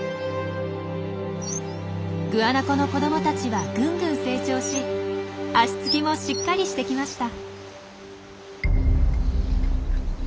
グアナコの子どもたちはぐんぐん成長し足つきもしっかりしてきました。